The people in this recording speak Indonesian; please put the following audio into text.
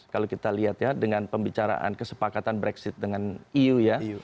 kalau kita lihat ya dengan pembicaraan kesepakatan brexit dengan eu ya